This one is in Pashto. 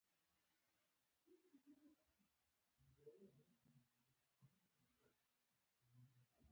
لکه زموږ پښتانه چې وایي.